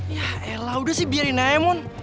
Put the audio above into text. ya elah udah sih biarin naemon